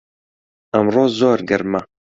ئەمڕۆ زۆر گەرمە